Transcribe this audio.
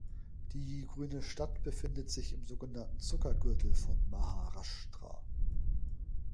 Die grüne Stadt befindet sich im sogenannten „Zuckergürtel“ von Maharashtra.